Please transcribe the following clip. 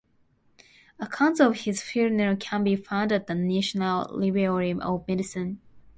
Accounts of his funeral can be found at the National Library of Medicine.